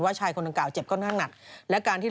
เรียกลงบานดิพี่